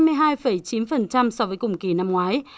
điều này kể đến lượng khách du lịch đến việt nam tăng ấn tượng